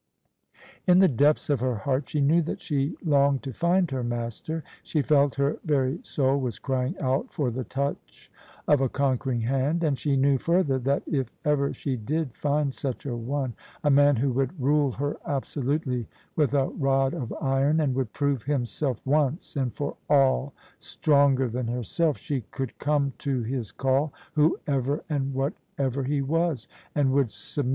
In the depths of her heart she knew that she longed to find her master — she felt her very soul was crying out for the touch of a conquering hand. And she knew, further, that if ever she did find such a one — a man who would rule her absolutely with a rod of iron, and would prove himself once and for all stronger than herself — she could come to his call, whoever and whatever he was, and would submis